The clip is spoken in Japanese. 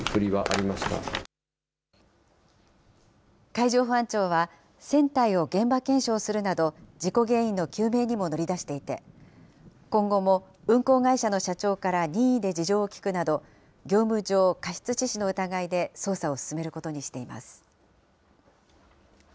海上保安庁は船体を現場検証するなど、事故原因の究明にも乗り出していて、今後も運航会社の社長から任意で事情を聴くなど、業務上過失致死の疑いで捜査を進めることにしています。